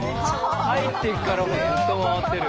入ってからもずっと回ってる。